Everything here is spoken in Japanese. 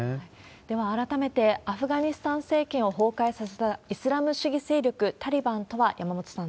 では改めて、アフガニスタン政権を崩壊させたイスラム主義勢力タリバンとは。